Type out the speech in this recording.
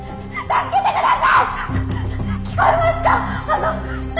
「助けてください！